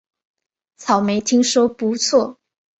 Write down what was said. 草莓听说不错